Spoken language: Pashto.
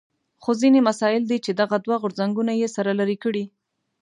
خو ځینې مسایل دي چې دغه دوه غورځنګونه یې سره لرې کړي.